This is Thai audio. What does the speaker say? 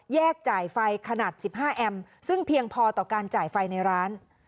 จ่ายไฟขนาด๑๕แอมป์ซึ่งเพียงพอต่อการจ่ายไฟในร้าน